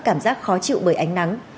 cảm giác khó chịu bởi ánh nắng